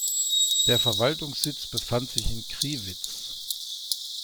Der Verwaltungssitz befand sich in Crivitz.